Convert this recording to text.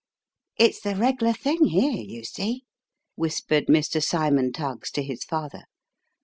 " It's the reg'lar thing here, you see," whispered Mr. Cymon Tuggs to his father.